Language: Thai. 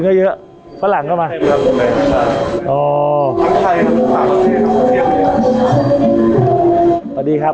คนก็เยอะฝรั่งก็มา